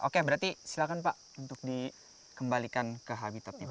oke berarti silakan pak untuk dikembalikan ke habitatnya pak